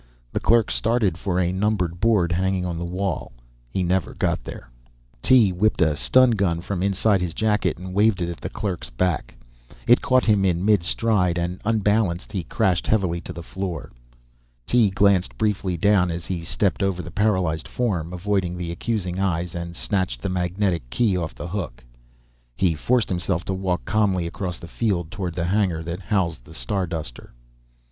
The clerk started for a numbered board hanging on the wall. He never got there. Tee whipped a stun gun from inside his jacket and waved it at the clerk's back. It caught him in mid stride, and unbalanced, he crashed heavily to the floor. Tee glanced briefly down as he stepped over the paralyzed form, avoiding the accusing eyes, and snatched the magnetic key off the hook. He forced himself to walk calmly across the field toward the hangar that housed the Starduster.